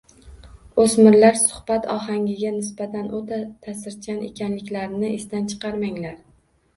O‘smirlar suhbat ohangiga nisbatan o‘ta ta’sirchan ekanliklarini esdan chiqarmang.